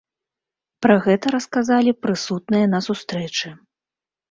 Пра гэта расказалі прысутныя на сустрэчы.